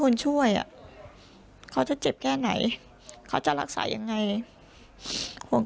คนช่วยอ่ะเขาจะเจ็บแค่ไหนเขาจะรักษายังไงห่วง